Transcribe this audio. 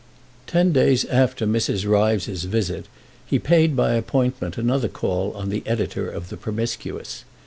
TEN days after Mrs. Ryves's visit he paid by appointment another call on the editor of the Promiscuous.